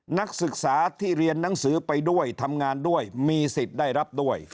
นักศึกษาที่เรียนหนังสือไปด้วยทำงานด้วยมีสิทธิ์ได้รับด้วย